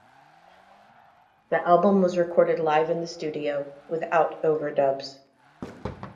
The album was recorded live in the studio, without overdubs.